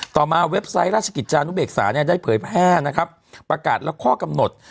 ต่อมาเว็บไซต์ราชกิจจานุเบกษาเนี่ยได้เผยแพร่นะครับประกาศและข้อกำหนด